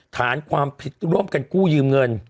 ฐานความผิดร่วมกันกู้ยืมเงิน